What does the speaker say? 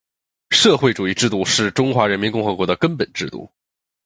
社会主义制度是中华人民共和国的根本制度